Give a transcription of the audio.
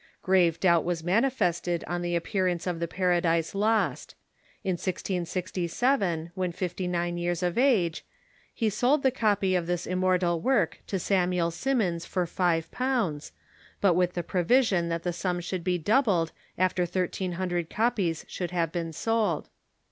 Grave doubt was manifested on the appearance of the "Paradise Lost." In 1667, when fifty nine years of age, he sold the copy of this immortal work to Samuel Simmons for five pounds, but with the provision that the sum should be doubled after thirteen hundred copies should have ))een sold.